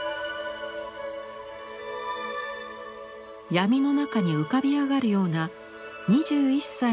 闇の中に浮かび上がるような２１歳の頃の自画像。